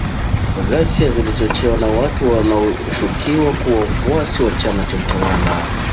ghasia zilizochochewa na watu wanaoshukiwa kuwa wafuasi wa chama tawala